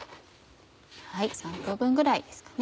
３等分ぐらいですかね